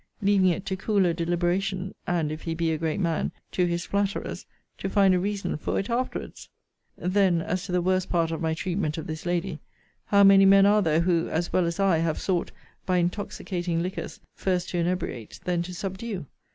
Leaving it to cooler deliberation, (and, if he be a great man, to his flatterers,) to find a reason for it afterwards? Then, as to the worst part of my treatment of this lady, How many men are there, who, as well as I, have sought, by intoxicating liquors, first to inebriate, then to subdue?